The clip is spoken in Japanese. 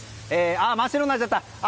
真っ白になっちゃった！